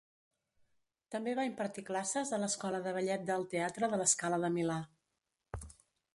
També va impartir classes a l'Escola de Ballet del Teatre La Scala de Milà.